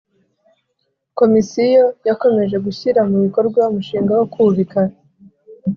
Komisiyo yakomeje gushyira mu bikorwa umushinga wo kubika